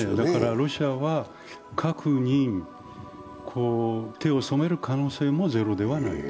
ロシアは核に手を染める可能性もゼロではないと。